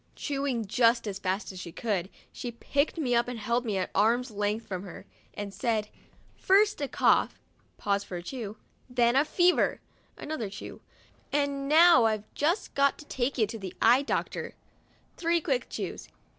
Chewing just as fast as she could, she picked me up and held me at arms' length from her, and said : "First a cough* (pause for a chew), "then fever!' (another chew), " and now I've just got to take you to the eye doctor" (three quick chews).